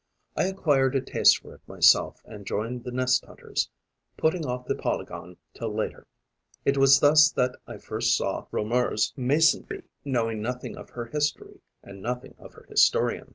I acquired a taste for it myself and joined the nest hunters, putting off the polygon till later. It was thus that I first saw Reaumur's Mason bee, knowing nothing of her history and nothing of her historian.